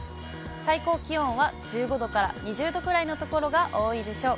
最高気温は１５度から２０度くらいの所が多いでしょう。